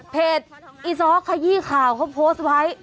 เพจอิสรขยี้ข่าวเขาโพสต์ไว้